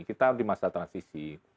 kita di masa transisi